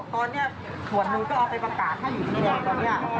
ตอนนี้ส่วนหนึ่งก็เอาไปประกาศให้อยู่ที่ไหนตอนนี้